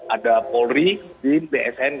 ada polri di bsnk